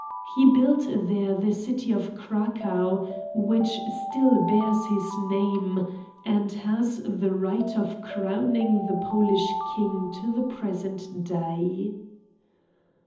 He built there the city of Cracow, which still bears his name, and has the right of crowning the Polish king to the present day.